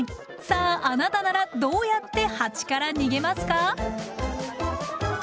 さああなたならどうやってハチから逃げますか？